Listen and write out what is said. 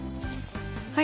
はい。